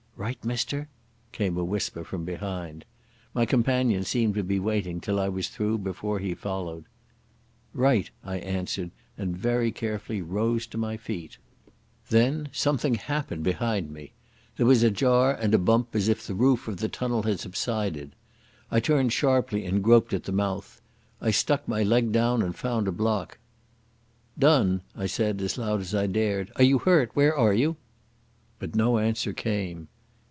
"Right, mister?" came a whisper from behind. My companion seemed to be waiting till I was through before he followed. "Right," I answered, and very carefully rose to my feet. Then something happened behind me. There was a jar and a bump as if the roof of the tunnel had subsided. I turned sharply and groped at the mouth. I stuck my leg down and found a block. "Donne," I said, as loud as I dared, "are you hurt? Where are you?" But no answer came.